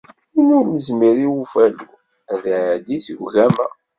Win ur nezmir i ufalu ad d-iεeddi seg ugama.